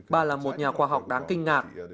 bà là một nhà khoa học đáng kinh ngạc